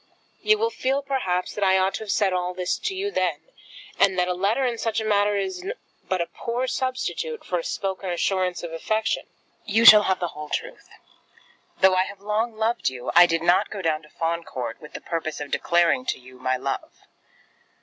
You will feel, perhaps, that I ought to have said all this to you then, and that a letter in such a matter is but a poor substitute for a spoken assurance of affection. You shall have the whole truth. Though I have long loved you, I did not go down to Fawn Court with the purpose of declaring to you my love.